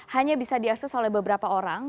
hanya bisa diakses oleh beberapa orang